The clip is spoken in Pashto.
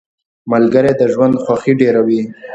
ملګری د ژوند خوښي ډېروي.